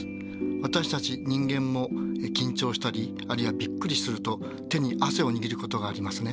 私たち人間も緊張したりあるいはびっくりすると手に汗を握ることがありますね。